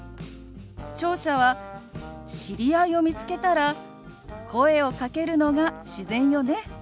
聴者は知り合いを見つけたら声をかけるのが自然よね。